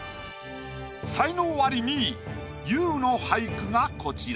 才能アリ２位ＹＯＵの俳句がこちら。